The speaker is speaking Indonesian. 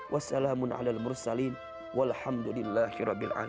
wassalamun ala al mursalin wa alhamdulillahi rabbil alamin